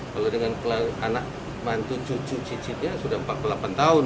kalau dengan anak mantu cucu cicitnya sudah empat puluh delapan tahun